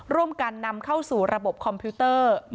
ร่วมกันนำเข้าสู่ระบบคอมพิวเตอร์